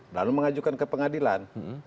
lalu mengajukan ke pengadilan